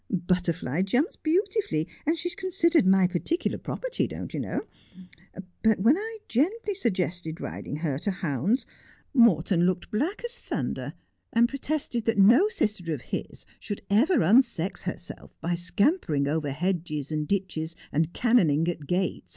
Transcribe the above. Butterfly jumps beautifully, and she's considered my particular property, don't you know 1 But when I gently sug gested riding her to hounds Morton looked as black as thunder, 106 Just as I Am. and protested that no sister of his should ever unsex herself by scampering over hedges and ditches, and cannoning at gates.